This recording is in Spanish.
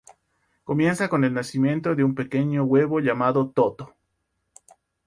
Comienza con el nacimiento de un pequeño huevo llamado Toto.